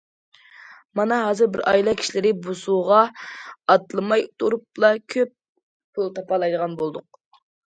مانا ھازىر بىر ئائىلە كىشىلىرى بوسۇغا ئاتلىماي تۇرۇپلا كۆپ پۇل تاپالايدىغان بولدۇق.